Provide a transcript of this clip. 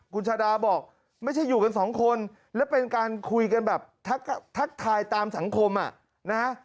คุณชาดาบอกไม่ใช่อยู่กันสองคนและเป็นการคุยกันแบบทักทายตามสังคมอ่ะนะฮะ